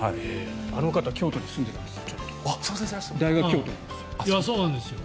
あの方京都に住んでたんですよ。